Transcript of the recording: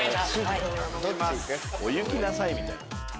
⁉「お行きなさい」みたいな。